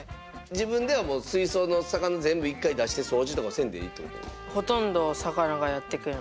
自分ではもう水槽の魚全部一回出してそうじとかせんでいいってこと？